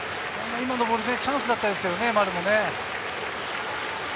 今のボール、チャンスだったんですけどね、丸も。